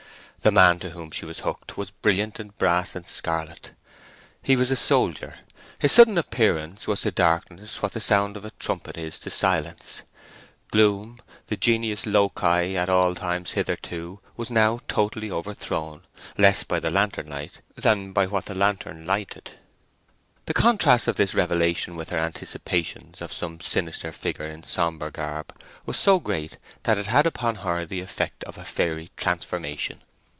The man to whom she was hooked was brilliant in brass and scarlet. He was a soldier. His sudden appearance was to darkness what the sound of a trumpet is to silence. Gloom, the genius loci at all times hitherto, was now totally overthrown, less by the lantern light than by what the lantern lighted. The contrast of this revelation with her anticipations of some sinister figure in sombre garb was so great that it had upon her the effect of a fairy transformation.